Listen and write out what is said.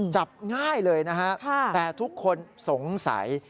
จับง่ายเลยนะฮะแต่ทุกคนสงสัย